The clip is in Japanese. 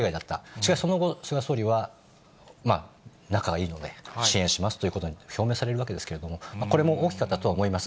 しかしその後、菅総理は仲がいいので、支援しますということを表明されるわけですけれども、これも大きかったとは思います。